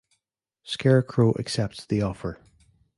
Scarecrow accepts the offer.